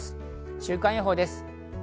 週間予報です。